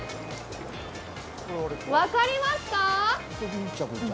分かりますか？